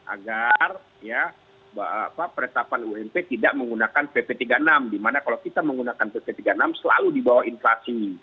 agar penetapan ump tidak menggunakan pp tiga puluh enam dimana kalau kita menggunakan pp tiga puluh enam selalu dibawa inflasi